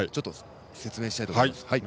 説明したいと思います。